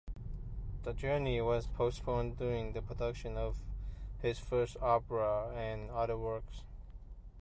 The journey was postponed during the production of his first opera and other works.